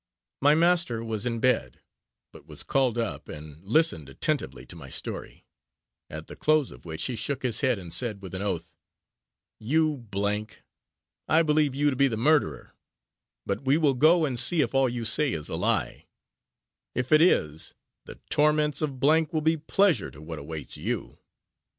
My master was in bed, but was called up and listened attentively to my story at the close of which he shook his head, and said with an oath, "You , I believe you to be the murderer; but we will go and see if all you say is a lie; if it is, the torments of will be pleasure to what awaits you.